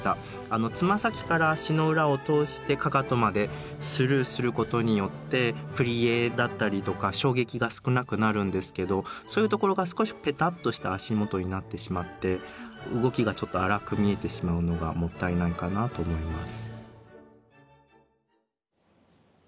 爪先から足の裏を通してかかとまでスルーすることによってプリエだったりとか衝撃が少なくなるんですけどそういうところが少しペタッとした足元になってしまって動きがちょっと粗く見えてしまうのがもったいないかなと思います。